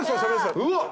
うわっ！